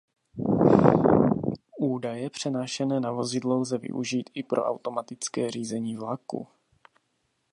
Údaje přenášené na vozidlo lze využít i pro automatické řízení vlaku.